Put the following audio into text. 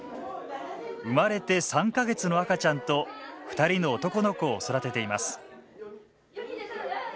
生まれて３か月の赤ちゃんと２人の男の子を育てています